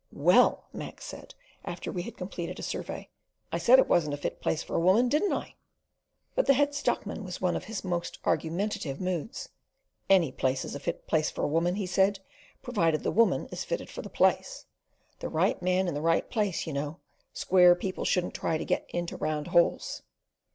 "Well!" Mac said, after we had completed a survey. "I said it wasn't a fit place for a woman, didn't I?" But the Head stockman was in one of his argumentative moods. "Any place is a fit place for a woman," he said, "provided the woman is fitted for the place. The right man in the right place, you know. Square people shouldn't try to get into round holes."